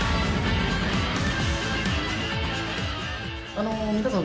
あの皆さん。